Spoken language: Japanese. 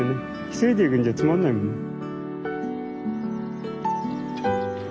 １人で行くんじゃつまんないもんね。